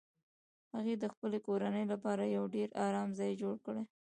هغه د خپلې کورنۍ لپاره یو ډیر ارام ځای جوړ کړ